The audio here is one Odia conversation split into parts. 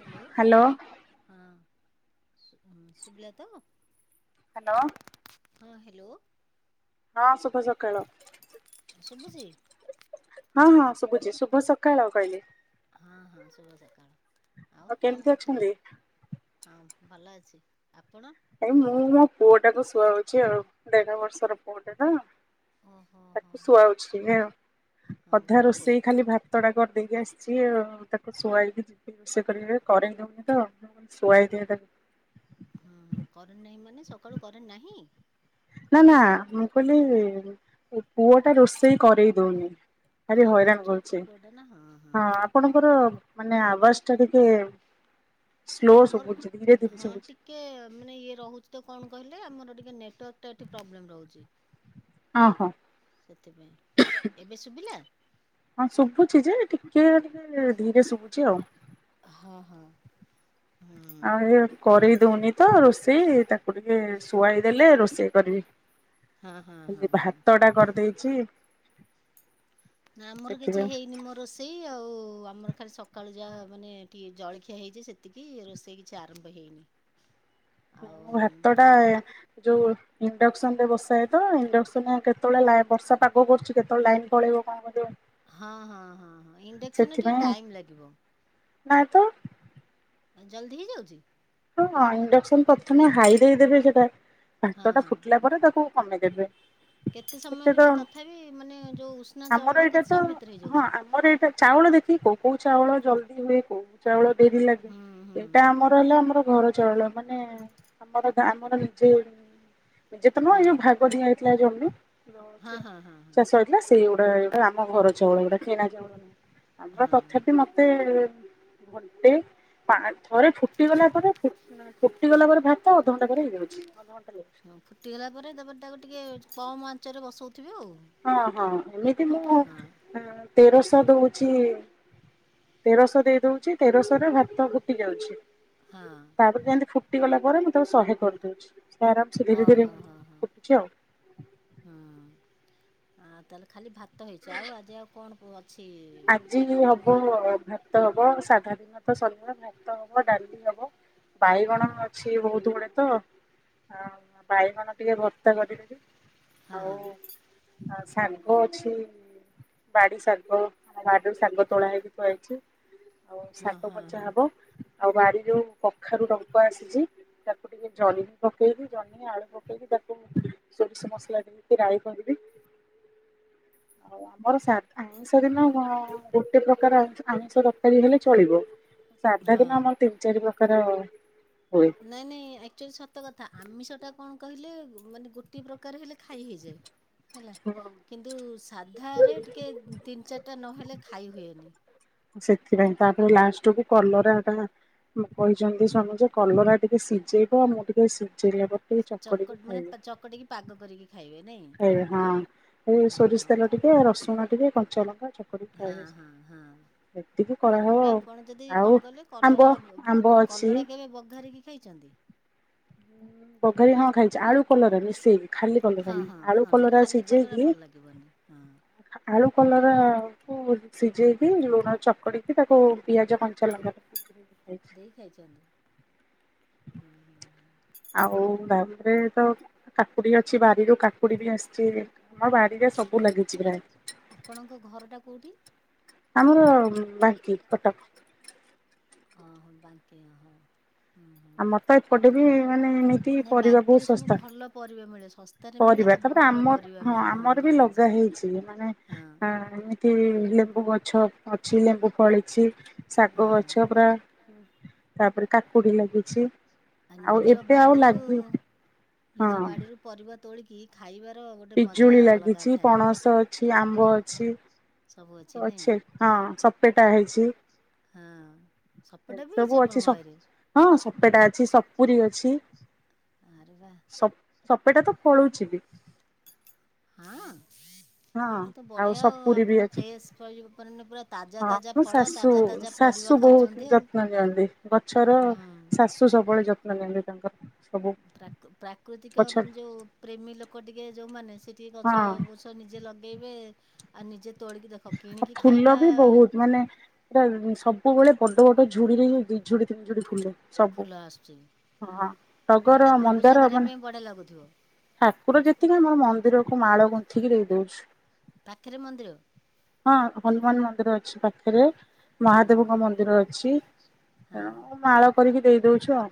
Hello hello. ହଁ। ସୁ ସୁବିଲା ତ ହାଲୋ। ହଁ ହ୍ୟାଲୋ। ହଁ ଶୁଭ ସକାଳ ଶୁଭୁଛି ହଁ ହଁ। ଶୁବୁଚି ଶୁଭ ସକାଳ କଇଲି। ହଁ ଶୁଭ ସକାଳ। ଆଉ କଣ କେମିତି କରୁଥିଲେ? ଅଛନ୍ତି? ହଁ ଭଲ ଅଛି ଆପଣ? ଏଇ ମୁଁ ମୋ ପୁଅଟାକୁ ଶୁଆଉଚି ଆଉ ଦେଢ ବର୍ଷର ପୁଅ ଟା ତ। ଓହୋ ହୋ ତାକୁ ଶୁଆଉଛି ନା ହଁ ଅଧା ଗୋଟେ ପୁଅ ରୋଷେଇ ଖାଲି ଭାତ ଟା କରିଦେଇକି ଆସି ସିଏ ତାକୁ ଶୁଆଇକି ଯିବି ରୋଷେଇ କରିବି କରେଇ ଦଉନି ତ ଶୁଆଇ ଦିଏ ତାକୁ। ହୁଁ ହୁଁ କରେଣ୍ଟ ନାହିଁ ମାନେ ସକାଳୁ କରେଣ୍ଟ ନାହିଁ? ନା ନା ମୁଁ କହିଲି ପୁଅ ଟା ରୋଷେଇ କରେଇ ଦଉନି। ହଁ ଭାରି ହଁ ହଇରାଣ ଛୋଟ କରୁଛି ପୁଅଟା ନା ହଁ ଆପଣଙ୍କର ମାନେ ଆ କଷ୍ଟ ଟିକେ ସ୍ଲୋ ଆମର ଶୁଭୁଛି ଧୀରେ ଧୀରେ ହଁ ଶୁଭୁଛି ଟିକେ ମାନେ ଇଏ ରହୁଛି ତ କଣ କହିଲେ ଆମର ଟିକେ ନେଟୱର୍କ ଟା ଏଠି ପ୍ରବ୍ଲେମ୍ ରହୁଚି। ଅଁ ହଁ ଏବେ ଶୁଭିଲା ହଁ ଶୁଭୁଛି ଯେ ଟିକ୍ [unintelligible] ଟିକେ ଧୀରେ ଶୁଭୁଛି ଆଉ। ହଁ ହଁ। ହୁଁ ଆଉ ଇଏ କରରେଇ ଦଉନି ତ ରୋଷେଇ ତାକୁ ଟିକେ ଶୁଆଇ ଦେଲେ ରୋଷେଇ କରିବି। ହଁ ହଁ ହଁ ଖାଲି ହଁ ଭାତ ଟା କରିଦେଇଛି। ନା ଆମର କିଛି ସେଥିପାଇଁ ହେଇନି ମ ରୋଷେଇ ଆଉ ଆମର ଖାଲି ସକାଳୁ ଯାହା ମାନେ ଟିକେ ଜଳଖିଆ ହେଇଚି ସେତିକି ରୋଷେଇ କିଛି ଆରମ୍ଭ ହେଇନି। ଆଉ ନାଇଁ ମୋ ଭାତ ଟା ଆଉ ଯୋଉ ଇଣ୍ଡକ୍ସନ ରେ ବସାଏ ତ ଇଣ୍ଡକ୍ସନ ଆଉ କେତବେଳେ ଲା ବର୍ଷା ପାଗ କରୁଚି କେତବେଳେ ଲାଇନ୍ ପଳେଇବ କଣ କରିବ। ହଁ ହଁ ହଁ ହଁ ଇଣ୍ଡକ୍ସନ ରେ ଟିକେ ଟାଇମ ଲାଗିବ। ନା ତ। ଜଲଦି ହେଇଯାଉଛି? ହଁ ଇଣ୍ଡକ୍ସନ ପ୍ରଥମେ ହାଇ ଦେଇଦେବେ ସେଇଟା ହଁ ଭାତ ଟା ହଁ ଫୁଟିଲା ପରେ ତାକୁ ଆମେ କେବେ କେତେ ସମୟ ଏତେ ତ ଭିତରେ ତଥାପି ମାନେ ଯୋଉ ଉଷୁନା ଆମର ଚାଉଳଟା ଏଇଟା କେତେ ତ ସମୟ ଭିତରେ ହଁ ହେଇଯାଉଛି? ଆମର ଏଇଟା ଚାଉଳ ଦେଖିକି କୋଉ କୋଉ ଚାଉଳ ଜଲଦି ହୁଏ, କୋଉ ଚାଉଳ ଡେରି ଲାଗେ ହୁଁ ହୁଁ ଏଇଟା ଆମର ହେଲେ ଆମର ଘର ଚଳଳ ମାନେ ଆମର ଆମର ନିଜେ ଯେତେବେଳେ ଏ ହଁ ଯୋଉ ଭାଗ ଦିଆ ହେଇଥିଲା ଜମି। ହ [inaudible] ହଁ ହ ହଁ ହଁ ହଁ ଚାଷଥିଲା ସେଇ [unintelligible] ଏଇଟା ଆମ ଘର ଚାଉଳ ଗୁଡା କିନା ଚାଉଳ ନୁହଁ ଆମର ହଁ। ତଥାପି ମତେ ଘଟେ ଥରେ ଫୁଟିଗଲା ପରେ ଫୁଟି ଗଲା ପରେ ଭାତ ଅଧଘଣ୍ଟା ପରେ ହେଇଯାଉଛି। [unintelligible] ହଁ ଫୁଟିଗଲା ପରେ ତାପରେ ତାକୁ ଟିକେ କମ୍ ଆଞ୍ଚରେ ବସୁ ହଁ ହଁ ଏମିତି ମୁଁ ହଁ। ତେରଶହ ଦଉଛି ତେରଶହ ଦେଇ ଦେଇଦାଉଛି ତେରଶହରେ ଭାତ ଫୁଟି ଯାଉଛି। ହଁ ତାପରେ ଯେନ୍ତି ଫୁ ଫୁଟିଗଲା ପରେ ମୁଁ ତାକୁ ସହେ କରିଦଉଛି। ସେ ଆରାମସେ ହଁ ଧୀରେ ଧୀରେ ହଁ ହ ହ ଫୁଟୁଛି ଆଉ। ହୁଁ। ଆ ତାହେଲେ ଖାଲି ଭା ହେଇଛ ଆଉ ଆଜି ଆଉ କଣ ମୁଁ ଅଛି। ଆଜି ହବ ଭାତ ହବ ସାଧା ଦିନ ତ ଶନିବ ଭାତ ହବ ଡାଲି ହବ। ହଁ ବାଇଗଣ ଅଛି ବହୁତ ଗୁଡେ। ତ ଆଉ ଭାଇ ଗଣ ଟିକେ ଭର୍ତ୍ତା କରିଦେବି। ହଉ ହଁ ଆସ୍। ଶାଗ ଅଛି ବାଡ଼ି ଶାଗ। ବାଡ଼ିରୁ ଶାଗ ତୋଳା ହୋଇକି ଥୁଆ ହେଇଛି। ଆଉ ହଁ ସାଗ ହଁ ବଜା ହଁ ହବ। ଆଉ ବାରି ଯୋଉ କଖାରୁ ଡଙ୍କ ଆସିଛି ତାକୁ ଟିକେ ଜରିକି ପକେଇକି ଜହ୍ନି ଆଳୁ ପକେଇକି ତାକୁ ସୋରିଷ ମସଲା ଦେଇକି ରାଇ କରିବି। ଆଉ ଆମର ସାଧା ଆଇଁଷ ଦିନ ହଁ ଗୋଟେ ପ୍ରକାର ଆମିଷ ତରକାରୀ ହେଲେ ଚଳିବ। ସାଧା ଦିନ ହଁ ଆମର ତିନ୍ ଚାରି ପ୍ର କର ନାଇଁ ନାଇଁ ଆକ୍ଚୁଲି ସତ କଥା ଆମିସ୍ ଟା କଣ କହିଲେ ମାନେ ଗୋଟେ ପ୍ରକାର ହେଲେ ଖାଇ ହେଇଯାଏ। ହେଲା କିନ୍ତୁ ସାଧାରେ ଟିକେ ତିନ ଚାରଟା ନହେଲେ ଖାଇ ହୁଏନି। ସେଥିପାଇଁ ତାପରେ ଲାଷ୍ଟକୁୁ କଲରା କା କହିଛନ୍ତି ସ୍ଵାମୀଯେ କଲରା ଟିକେ ସିଝେଇବ ଆଉ ମୁଁ ଟିକେ ସିଝେଇଲେ ଚକଟ ମାନେ ଚକଟିକି ପାଗ କରିକି ଖାଇବେ। ନାଇଁ ଏଇ ହଁ ଏଇ ହଁ ସୋରିଷ ହଁ ତେଲ ଟିକେ ରସୁଣ ଟିକେ କଣ କଞ୍ଚାଲଙ୍କ ହଁ ହଁ ହଁ ଏତିକି କରାହବ ତାକୁ ବି ଆପଣ ଯଦି ଆଉ ଆଉ କଣ କହିଲେ ଆମ୍ବ କଲରା ଆମ୍ବ ଅଛି। କଲରା ଭ କେବେ ବଘାରିକି ଖାଇଛନ୍ତି। ହୁଁ ବଘାରିକି ହଁ ଖାଇଛି ଆଳୁ କଲରା ମିଶେଇିକି। ଖାଲି କଲରା ହଁ ହଁ ନୁହେଁ ଆଳୁ ହଁ ନାଇଁ କଲରା ଖାଲି କଲରା ସିଝେଇକି ଭଲ ଲାଗିବନି ହଁ ଆଳୁ କଲରା ସିଝେଇକି ଲୁଣ ଚକଡ଼ିକି ତାକୁ ପିଆଜ କଞ୍ଚା ଲଙ୍କା ପ ଦେଇ ଖାଚନ୍ତି ହୁଁ ହଁ ହୁଁ। ଆଉ ବା ତ [unintelligible] ବାରିରୁ କାକୁଡି ବି ଆସିଛି। ଆମ ବାଡିରେ ସବୁ ଲାଗିଛି ପ୍ରାୟ ଆପଣଙ୍କ ଘରଟା କୋଉଠି? ଆମର ବାଙ୍କି କଟକ। ଓହୋ ବାଙ୍କି ଅ। ଆମର ତ ଏପଟେ ବି ମାନେ ଏମିତି ନାଇଁ ପରିବା ବହୁତ ବାଙ୍କିରେ ସବୁ ଶସ୍ତା ଭଲ ପରିବା ମିଳେ ଶସ୍ତାରେ ମିଳେ ପରିବା ଆଉ ତାପରେ ଭଲ ପରିବା ଆମର ହଁ ମିଳେ ଆମର ମୁଁ ବି ଲଗା ଜାଣିଛି। ହେଇଛି ମାନେ ହଁ ଏ ଏମିତି ଲେମ୍ବୁ ଗଛ ଗଛ ଅଛି ଲେମ୍ବୁ ଫଳିଛି। ଶାଗ ହଁ ଗଛ ପୁରା ତାପରେ କାକୁଡି ଲାଗି ଛି। ଆ ଆଉ ନିଜ ଏବେ ଆଉ ବାଡିରୁ ହଁ ନିଜ ବାଡିରୁ ପରିବା ତୋଳିକି ଖାଇବା ପିଜୁଳି ଲାଗିଛି ପଣସ ଅଛି ଆମ୍ବ ଅଛି। ସବୁ ଅଛି ନାଇଁ ଅଛେ ହଁ ସପେ ଟା ହେଇଛି ହଁ [inaudible] ଏ ସପଟା ବି ହେଇଛି ସବୁ ଅଛି ଆପଣଙ୍କ ବାଇରେ ହଁ ସପେଟା ଅଛି ସପୁରୀ ଅଛି। ଆରେ ବା ସ ସପେଟାତ ଫଳୁଛି ବି। ହଁ। ହଁ ତାହେଲେ ତ ଆଉ ବଢ଼ିଆ ସପୁରୀ ବି ଆପଣ ଅଛି ଫ୍ରେଶ୍ ମାନେ ପୁରା ତାଜା ତାଜା ହଁ ଫଳ ଶାଶୁ ତାଜା ତାଜା ପରିବା ଶାଶୁ ବହୁତ ଖାଉଛନ୍ତି ଆଉ ଯତ୍ନ ନିଅନ୍ତି ଗଛର ହୁଁ। ଶାଶୁ ସବୁବେଳେ ଯତ୍ନ ନିଅନ୍ତି। ତାଙ୍କର ସବୁ ପ୍ରା ପ୍ରାକୃତିକ ଗଛ ମାନେ ଯୋଉ ପ୍ରେମୀ ଲୋକ ଟିକେ ଯୋଉମାନୋନ ସେ ଟିକେ ହଁ ଗଛ ଆଉ ବୃଛ ନିଜେ ଲଗେଇ ଏବେ ଏବେ ଆଉ ନିଜେ ତୋଳିକି ଦେଖ ଆଉ କିଣିକି ଫୁଲ ଖାଇବା ବି ବହୁତ ମାନେ ଏଟା ସବୁବେଳେ ବଡ଼ ବଡ ଝୁଡିରେ ଦି ଝୁଡି ତିନ ଝୁଡି ଫୁଲ। ସବୁ ଫୁଲ ଆସୁଛି ହଁ ଟଗର, ଠାକୁର ପୂଜା ମନ୍ଦାର କରିବା ମାନେ ପାଇଁ ବଢ଼ିଆ ଲାଗୁଥିବ ଠାକୁର ଯେତିକି ମୋ ମନ୍ଦିର ମାଳ ଗୁନ୍ଥିକି ଦେଇଦଉଚି। ପାଖରେ ମନ୍ଦିର? ହଁ ହନୁ ହନୁମାନ ମନ୍ଦିର ଅଛି ପାଖରେ। ହଁ ହଁ ମହାଦେବଙ୍କ ମନ୍ଦିର ଅଛି ଅ ହଁ। ମୁଁ ମାଳ କରିକି ଦେଇ ଦଉଛୁଆ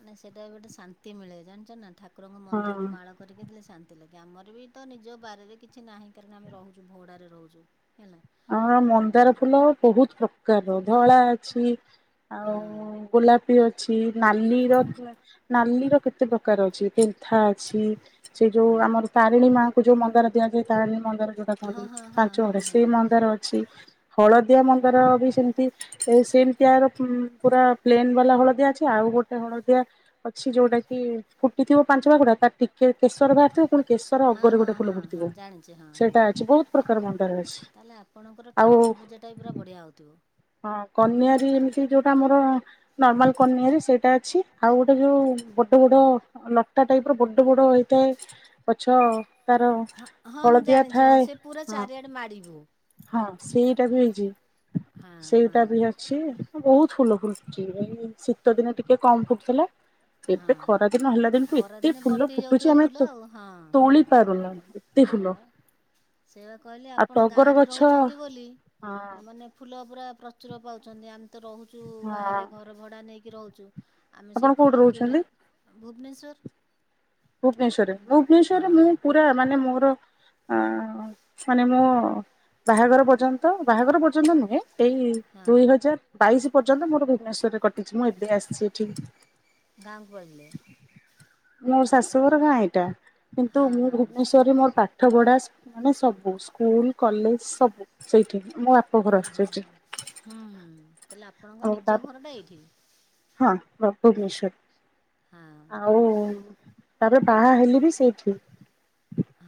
ମାନେ ସେଟା ବି ଗୋଟେ ଶାନ୍ତି ମିଳେ ଜାଣିଚନା ଠା ଠକୁରଙ୍କ ମନ୍ଦିରକୁ ହଁ। ମାଳ କରିକି ଦେଲେ ଶାନ୍ତି ଲାଗେ। ଗାମରେ ବିତ ନିଜ ବାରିରେ କିଛି ନାହିଁ କାରଣ ଆମେ ରହୁଚୁ ଭଡାରେ ରହୁଛୁ। ହେଲା ଅ ହଁ ମନ୍ଦାର ଫୁଲ ବହୁତ ପ୍ରକାରର। ଧଳା [unintelligible] ଆଉ ହଁ ଗୋଲାପି ଅଛି ନାଲି ର ହଁ ପୁରା ନାଲି ର କେତେ କେତେ ପ୍ରକାର ଅଛି। ପେନ୍ଥା ଅଛି। ସେ ଯଉ ଆମର ହଁ ତାରିଣୀ ମା ଏ ଯଉ ମନ୍ଦାର ଦିଆଯାଏ ତା ଆଣି ମନ୍ଦାର ଯଉଟା ହଁ ହଁ ହଁ କୁହନ୍ତି [unintelligible] ହଁ ସେଇ ମ ଅଛି। ହଳଦିଆ ମନ୍ଦାର ବି ସେମତି ଏ ସେମତି ଆର ପୁ ପୁରା ପ୍ଲେନ୍ ବାଲା ହଳଦିଆ ଅଛି। ଆଉ ଗୋଟେ ହଳଦିଆ ଅଛି ଯଉଟା କି ଫୁଟିଥିବ ପାଞ୍ଚ ଭାଗଟା ତାର ଟିକେ କେଶର ବାହାରିଥିବ ପୁଣି କେଶର ହଁ ଅଗରେ ହଁ ଗୋଟେ ଫୁଲ ହଁ ହଁ ଫୁଟିଥିବ ଜାଣିଛି ହଁ ହଁ ସେଇଟା ଅଛି ବହୁତ ପ୍ରକାର ମନ୍ଦାର ଅଛି। ତାହେଲେ ଆପଣଙ୍କର ଆଉ ଠାକୁର ପୂଜାଟାବି ପୁରା ବଢ଼ିଆ ହଉଥିବ। ହଁ କନିଆାରୀ ଏମିତି ଯଉଟା ମୋର ର ନର୍ମାଲ କନିଆରି ସେଇଟା ଛି। ଆଉ ଗୋଟେ ଯଉ ବଡ ବଡ ଲଟା ଟାଇପ ର ବଡ ବଡ ହେଇଥାଏ। ଗଛ ତାର ହଁ ହଁ ମୁଁ ହଳଦିଆ ଜାଣିଛି ହଁ ଥାଏ ସେ ପୁରା ହଁ। ଚାରିଆଡ଼େ ମାଡ଼ିବୁ ହଁ ସେଇଟା ବି ହେଇଚି। ହଁ ହଁ ସେଇଟା ବି ଅଛି। ବହୁତ ଫୁଲ ଫୁଲୁଚି ବାକି ଶୀତ ଦିନେ ଟିକେ କମ ଫୁଟୁଥିଲା। ଏବେ ହଁ ଖରା ଦିନ ହେଲା ଦିନୁଠୁ ଏତେ ଖରାଦିନେ ଫୁଲ ଭର୍ତ୍ତି ଫୁଟୁଚି ହେଇଯାଉଥିବ ଆମେ ଫୁଲ ଆଉ ହଁ ହଁ ତୋ-ତୋଳି ପାରୁନୁ। ଏତେ ନାଇଁ ଫୁଲ। ବା ଆଉ ଟଗର ଗ ଚନ୍ତି ବୋଲି ଏ ମାନେ ଫୁଲ ଫୁଲ ପୁରା ପ୍ରଚୁର ପାଉଛନ୍ତି ଆମ ତ ରହୁଚୁ ହଁ ବାହାରେ ଘର ଭଡା ନେଇକି ରହୁଚୁ ଆମେ ଆପଣ ସେଇ କୋଉଠି ଫୁଲ କିଣି ରହୁଛନ୍ତି ଭୁବନେଶ୍ ସ୍ଵର ଭୁବନେଶ୍ଵରରେ ଭୁବନେଶ୍ଵରରେ ମୁଁ ପୁରା ମାନେ ମୋର ଅ ମାନେ ମୋ ମୁଁ ବାହାଘର ପର୍ଯ୍ୟନ୍ତ ବାହାଘର ପର୍ଯ୍ୟନ୍ତ ନୁହେଁ ଏଇ ହଁ ଦୁଇ ହଜାର ବାଇଶ ପର୍ଯ୍ୟନ୍ତ ମୋର ଭୁବନେଶ୍ଵରରେ କଟିଛି। ମୁଁ ଏବେ ଆସିଛି ଏଠିକି। ଗାଁ ଗହଳି ରେ ମସ୍ ଶାଶୁ ଘର ଗାଁ ଏଇଟା କିନ୍ତୁ ହଁ ମୁଁ ହଁ ଭୁବନେଶ୍ଵରରେ ମୋର ପାଠ ପଢା ମାନେ ସବୁ ସ୍କୁଲ କଲେଜ ସବୁ ସେଇଠି। ମୋ ବାପ ଘର ଓ ହୋ ସେଇଠି ହ ହୁଁ ହୁଁ ତାହଲେ ଆପ ଆପଣଙ୍କ ଆଉ ନିଜ ତାପରେ ଘରଟା ଏଇଠି? ହଁ ବା ଭୁବନେଶ୍ୱର ହଁ ଆଉ। ତାପରେ ବାହା ହେଲେ ବି ସେଇଠି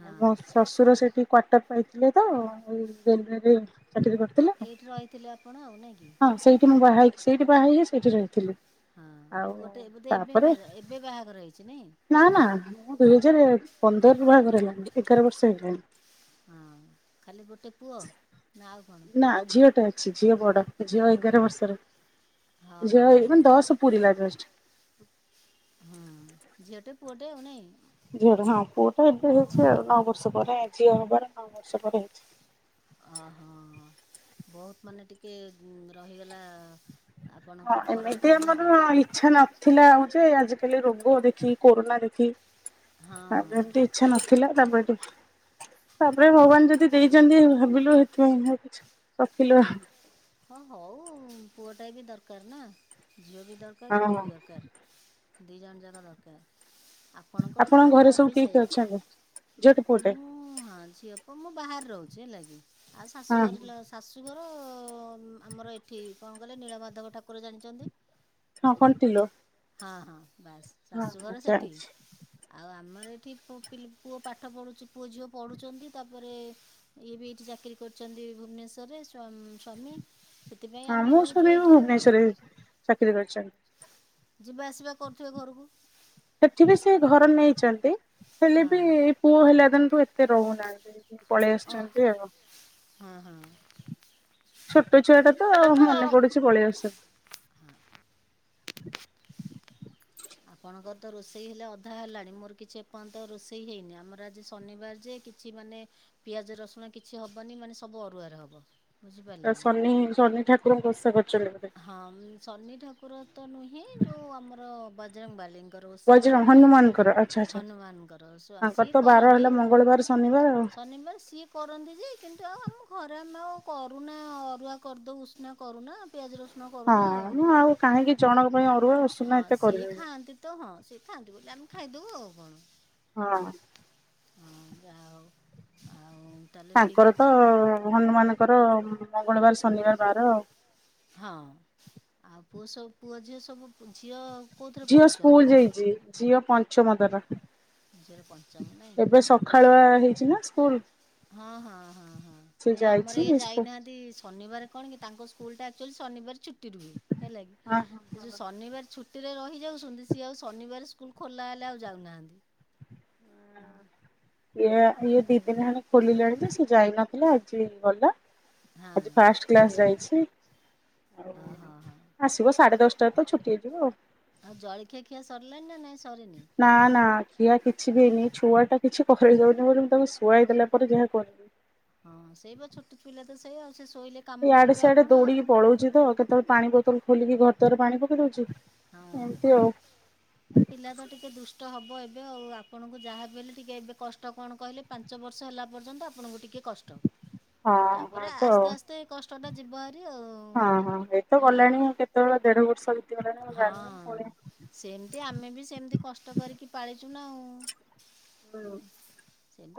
ହଁ ମୋ ଶ୍ୱଶୁର ସେଠି କ୍ଵାଟର ପାଇଥିଲେ ତ ଏଇ ରେଲୱେ ରେ ଏଇଠି ରହିଥିଲେ ଆପଣ ଆଉ ନାଇଁ କି ହଁ ସେଇଠି ମୁଁ ବାହା ହେଇକି ସେଠି ବାହା ହେଇକି ସେଇଠି ରହିଥିଲି। ହଁ ଆଉ ପୁଅ ଟା ବୋଧେ ଏବେ ତାପରେ ଏବେ ବାହାଘର ହେଇଛି ନାଇଁ? ନା ନା ମୁଁ ଦୁଇ ହଜାର ପନ୍ଦର ରୁ ବାହାଘର ହେଲାଣି ଏଗାର ବର୍ଷ ହେଇଗଲାଣି ହଁ ଖାଲି ଗୋଟେ ପୁଅ ନା ଆଉ କଣ? ନା ଝିଅଟେ ଝିଅ ବଡ଼ ଝିଅ ଏଗାର ବର୍ଷ ର ହଁ ହଁ ହଁ ଝିଅ ଦଶ ପୂରିଲା ଯଷ୍ଟ ହଁ ଝିଅଟେ ପୁଅଟେ ଆଉ ନାଇ? ଝିଅଟା ହଁ ପୁଅଟା ଏବେ ହେଇଛି ଆଉ ନଅ ବର୍ଷ ପରେ ଝିଅ ହବାର ନଅ ବର୍ଷ ପରେ ହେଇଛି। ଓହୋ ବହୁତ ମାନେ ଟିକେ ଗୁ ରହିଗଲା ହଁ ଆପଣଙ୍କର ଫରକ ଏମିତି ଆଉ ନା କି ଆମର ଇଚ୍ଛା ନଥିଲା ଆଉ ଯେ ଆଜି ହେଲେ ରୋଗ ଦେଖି କରୋନା ଦେଖି ହଁ ଆ ଏମିତି ଇଚ୍ଛା ନଥିଲା ତାପରେ ଟିକେ। ତାପରେ ଭଗବାନ ଯଦି ଦେଇଛନ୍ତି ଭାବିଲୁ ହେଥିପାଇଁକା କିଛି ରଖିଲୁ ଆ। ହଁ ହଉ ପୁଅ ଟାଏ ବି ଦରକାର ନା! ଝିଅ ବି ଦରକାର ଆଉ ପୁଅ ହଁ ବି ଦରକାର। ଦି ଜଣ ଯାକ ଦରକାର। ଆପଣଙ୍କର ଯାହା ଆପଣଙ୍କ ଘରେ ମୋର୍ ସବୁ ବି କିଏ କିଏ ସେୟା ଅଛନ୍ତି? ଝିଅଟେ ପୁଅଟେ ମୁଁ ହଁ ଝିଅ କୁ ମୁଁ ବାହାରେ ରହୁ ବୁଝି ହେଲା କି? ଆ ଶାଶୁ ହଁ। ଘରେ ଲୋ ଶାଶୁ [unintelligible] ଆମର ଏଠି କଣ କହିଲେ ନୀଳମାଧବ ଠାକୁର ଜାଣିଛନ୍ତି? ହଁ କଣ୍ଟିଲୋ। ହଁ ହଁ। ବାସ୍ ହଁ ହଁ ଶାଶୁଘର ଯା ସେଠି ଆଉ ଆମର ଏ ଏଠି ପୁଅ ପିଲ୍ ପୁଅ ପାଠ ପଢ଼ୁଛି ପୁଅ ଝିଅ ପଢ଼ୁଛନ୍ତି ତାପରେ ଇଏ ବି ଏଇଠି ଚାକିରି କରିଛନ୍ତି ଭୁବନେଶ୍ୱରରେ ସ୍ୱାମ୍ ସ୍ୱାମୀ। ସେଥିପାଇଁ ହଁ ଆମେ ମୋ ରହୁଛୁ ସ୍ୱାମୀ ଏଇଠି ବି ଆଉ ଭୁବନେଶ୍ୱରରେ ଚାକିରି କରିଛନ୍ତି। ଯିବା ଆସିବା କରୁଥିବେ ଘରକୁ? ସେଠି ବି ସେ ଘର ନେଇଛନ୍ତି ହେଲେ ବି ହଁ ଏଇ ପୁଅ ହେଲା ଦିନ୍ ଏତେ ରହୁନାହାନ୍ତି ପଳେଇ ଓ ଆସୁଛନ୍ତି ଆଉ। ହଁ ହଁ ହଁ। ଛୋଟ ଛୁଆ ଟା ତ ଆଉ ମନେ ପଡୁଛି ପଳେଇ ଆସୁଛନ୍ତି। ଆପଣଙ୍କର ତ ରୋଷେଇ ହେଲେ ଅଧା ହେଲାଣି ମୋର କିଛି ଏପର୍ଯ୍ୟନ୍ତ ରୋଷେଇ ହେଇନି ଆମର ଆଜି ଶନିବାର ଯେ କିଛି ମାନେ ପିଆଜ ରସୁଣ କିଛି ହବନି ମାନେ ସବୁ ଅରୁଆରେ ହବ। ଅ ବୁଝିପାରିଲେ କି? ଶନି ଶନି ଠାକୁରଙ୍କ ଓଷା କରୁଛନ୍ତି ବୋଧେ? ହଁ ଶନି ଠାକୁର ତ ନୁହେଁ ଯୋଉ ଆମର ବା ବଜରଙ୍ଗବାଲି ଙ୍କର ଓଷା ବୈଜ ଆମ ଶୁ ହନୁମାନଙ୍କର ଆଚ୍ଛା ଆଚ୍ଛା ହନୁମାନଙ୍କର ଓଷା ତାଙ୍କର ସିଏ ତ ବାର କରନ୍ତି ହେଲା ମଙ୍ଗଳବାର ଶନିବାର ଆଉ। ଶନିବାର ସିଏ କରନ୍ତି ଯେ କିନ୍ତୁ ଆଉ ଆମ ଘରେ ଆମେ ଆଉ କରୁନା ଅରୁଆ କରିଦଉ ଉଷୁନା କରୁନା ପିଆଜ ରସ ହଁ ମୁଁ ଆଉ କାହିଁକି ଜଣଙ୍କ ପାଇଁ ଅରୁଆ ହଁ ଉସୁନା ଏତେ ସିଏ କରିବିି। ଖାଆନ୍ତି ତ ହଁ ସେ ଖାଆନ୍ତି ବୋଲି ଆମେ ଖାଇଦଉ ଆଉ କଣ। ହଁ। ହଁ ଯା ହଉ ଆ ତାଙ୍କର ତ ହନୁମାନଙ୍କର ମଙ୍ଗଳବାର ଶନିବାର ବାର ଆଉ ହଁ। ଆଉ ପୁଅ ସବୁ ପୁଅ ଝିଅ ସବୁ ଝିଅ। କୋଉଥିରେ ଝିଅ ସ୍କୁଲ ପଢ଼ୁଛନ୍ତି? ଯାଇଛି ଝିଅ ପଞ୍ଚମ। ବାବା। ଝିଅର ପଞ୍ଚମ ନାଇଁ ହଁ ହଁ, ସକାଳୁଆ ହେଇଛି ନା ସ୍କୁଲ। ହଁ ହଁ ହଁ ହଁ ସେ ନାଇଁ ଆମର ଯାଇଛି ଏଇ ସ୍କୁ ଯାଇନାହାନ୍ତି। [inaudible] ଶନିବାର କଣ କି ତାଙ୍କ ସ୍କୁଲଟା ଆକ୍ଚୁଆଲି ଶନିବାର ଛୁ ଟି ରୁହେ ହେଲା କି, ହଁ ହଁ। ସେ ଯୋଉ ହଁ। ଶନିବାର ଛୁ ଛୁଟିରେ ରହି [inaudible] ଉଛନ୍ତି ସେ ଆଉ ଶନିବାର ସୁ ସ୍କୁଲ ଖୋଲା ହେଲେ ଆଉ ଯାଉନାହାନ୍ତି। ହୁଁ। ଇଏ ଇଏ ଦି ଦିନ ହେଲାଣି ଖୋଲିଲାଣି ଯେ ସେ ଯାଇନଥିଲା ଆଜି ଗଲା, ହଁ ଆଜି ଫାଷ୍ଟ୍ କ୍ଲାସ୍ ଯାଇଛି। ହଁ ହୁଁ। ହଁ ହଁ ଆସିବ ସାଢେ ଦଶଟାରେ ତ ଛୁଟି ହେଇଯିବ ଆଉ। ଆଉ ଜଳଖିଆ ଖିଆ ସରିଲାଣି ନା ନାଇଁ। [inaudible] ନା ନା ଖିଆ କିଛି ବି ହେଇନି ଏ ଛୁଆଟା। କିଛି କରେଇ ଦଉନି ବୋଲି ମୁଁ ତାଙ୍କୁ ଶୁଆଇ ଦେେଲା ପରେ ଯାହା କରିବି। ହଁ ସେଇ ପା ଛୋଟ ପିଲା ତ ସେଇଆ। ଇଆଡେ ସିଆଡେ ଦୌଡିକି ପଳଉଛି ତ କେତେବେଳେ ପାଣି ବୋତଲ ଖୋଲିକି ଘରଦ୍ବାର ପାଣି ପ [inaudible] ଦେଉଛି। ହଁ, ପିଲା ତ ଟିକେ ଦୁଷ୍ ଷ୍ଟ ହେବ ଏବେ ଆଉ, ଆପଣଙ୍କୁ ଯାହାବି ହେଲେ ଟିକେ ଏବେ କଷ୍ଟ କଣ କହିଲେ ପାଞ୍ଚ ବର୍ଷ ହେଲା ପର୍ଯ୍ୟନ୍ତ ଆପଣଙ୍କୁ ଟିକେ କଷ୍ଟ, ହଁ ହଁ ତାପରେ ତ ଆଉ। ଆସ୍ତେ ଆସ୍ତେ କଷ୍ଟଟା ଯିବ ହେରି ଆଉ ହଁ ହଁ ଏଇତ ଗଲାଣି ଆମ୍ କେତେବେଳେ ଦେଢ ବର୍ଷ ବିତିଗଲାଣି ମୁଁ ଜାଣିନି ହଁଅଅ, ପୁଣି ସେମତି ଆମେ ବି ସେମିତି କଷ୍ଟ କରିକି ପାଳି ଚୁନାଉ ହୁଁ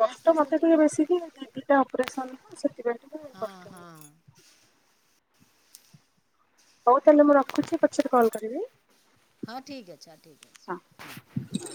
କଷ୍ଟ ମତେ ଟି ଟିକେ ବେଶୀ କି, ଦି ଦିଟା ଅପରେସନ ତ ସେଥିପାଇଁ। ଟିକେ ହଁ କଷ୍ଟ ହୁଏ। ହଁ। ହଉ ତାହେଲେ ମୁଁ ରଖୁଛି ପଛରେ କଲ୍ କରିବି। ହଁ ଠିକ୍ ଅଛି ହଁ ଠିକ୍ ଅଛି ହଁ।